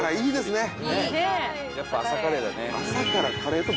やっぱ朝カレーだね。